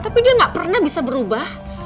tapi dia nggak pernah bisa berubah